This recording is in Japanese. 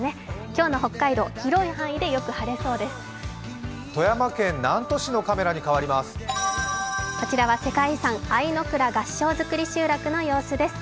今日の北海道、広い範囲でよく晴れそうです。